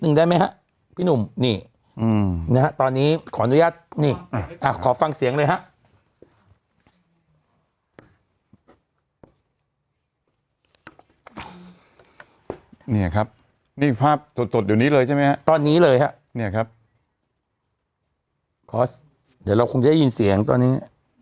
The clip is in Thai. เนี่ยครับนี่ภาพสดสดอยู่นี้เลยใช่มั้ยตอนนี้เลยครับเนี่ยครับขอเดี๋ยวเราคงได้ยินเสียงตอนนี้